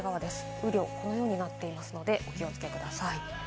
雨量はこのようになっていますのでお気をつけください。